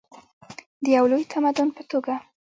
د یو لوی تمدن په توګه.